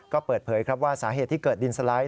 ก็เปิดเผยครับว่าสาเหตุที่เกิดดินสไลด์